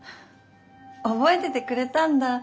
覚えててくれたんだ。